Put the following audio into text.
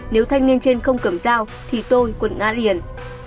nếu thanh niên trên không cầm dao thì tôi quật ngã liền